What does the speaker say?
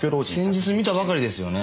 先日見たばかりですよね。